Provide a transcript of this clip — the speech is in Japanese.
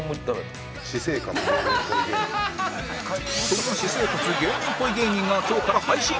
そんな私生活芸人っぽい芸人が今日から配信